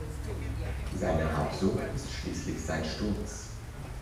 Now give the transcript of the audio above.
Seine Habsucht ist schließlich sein Sturz.